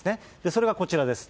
それがこちらです。